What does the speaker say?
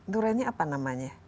duranenya apa namanya